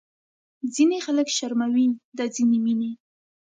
ځینې خلک شرموي دا ځینې مینې